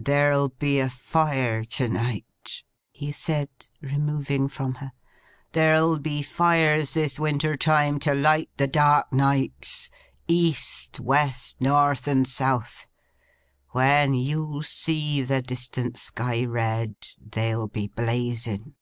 'There'll be a Fire to night,' he said, removing from her. 'There'll be Fires this winter time, to light the dark nights, East, West, North, and South. When you see the distant sky red, they'll be blazing.